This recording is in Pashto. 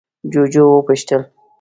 جُوجُو وپوښتل: